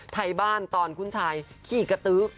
ไทยบ้านตอนคุณชายขี่กระตื้อ